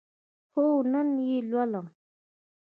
هو، نن یی لولم